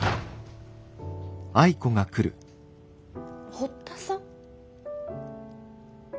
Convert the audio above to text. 堀田さん？